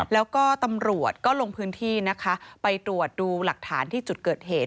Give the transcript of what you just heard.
แล้วก็ตำรวจก็ลงพื้นที่นะคะไปตรวจดูหลักฐานที่จุดเกิดเหตุ